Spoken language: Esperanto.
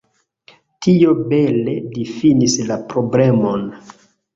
Tio bele difinis la problemon.